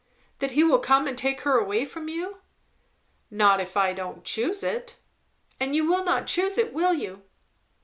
"That he will come and take her away from you." "Not if I don't choose it," "And you will not choose it, will you?"